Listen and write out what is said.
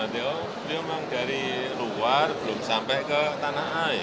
dia emang dari luar belum sampai ke tanah air